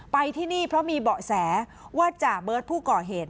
ไปที่นี่เพราะมีเบาะแสว่าจ่าเบิร์ตผู้ก่อเหตุ